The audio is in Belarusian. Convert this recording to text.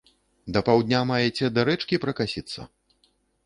Да паўдня маеце да рэчкі пракасіцца?